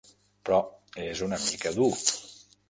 Però és una mica dur.